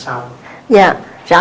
cái giai đoạn sau